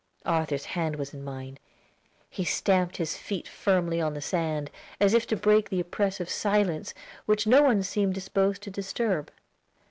Arthur's hand was in mine; he stamped his feet firmly on the sand, as if to break the oppressive silence which no one seemed disposed to disturb.